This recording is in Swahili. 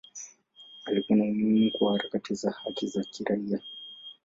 Alikuwa muhimu kwa harakati za haki za kiraia.